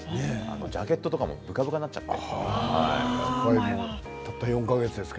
ジャケットとかもぶかぶかになっちゃって。